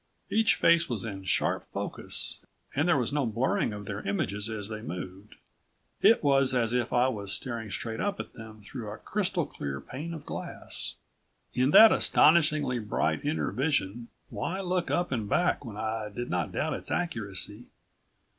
Each face was in sharp focus and there was no blurring of their images as they moved. It was as if I was staring straight up at them through a crystal clear pane of glass. In that astonishingly bright inner vision why look up and back when I did not doubt its accuracy?